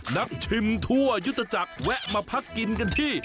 นักชิมทั่วยุตจักรแวะมาพักกินกันที่